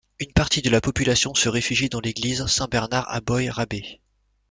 Une partie de la population se réfugie dans l'église Saint-Bernard à Boy-Rabé.